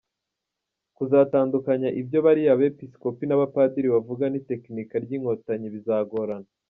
Kuzatandukanya ibyo bariya bepiskopi n’abapadiri bavuga n’itekinika ry’Inkotanyi bizagorana.